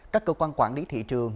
các cơ quan quản lý thị trường